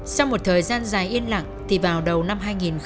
sau một thời gian dài yên lặng thì vào đầu năm hai nghìn một mươi tám